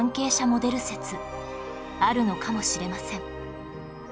モデル説あるのかもしれません